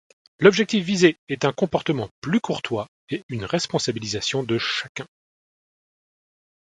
L'objectif visé est un comportement plus courtois et une responsabilisation de chacun.